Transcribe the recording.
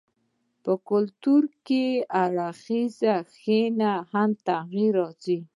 په کلتوري اړخونو کښي ئې هم تغيرات راځي.